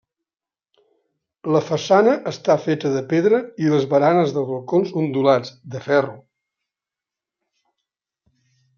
La façana està feta de pedra i les baranes dels balcons ondulats, de ferro.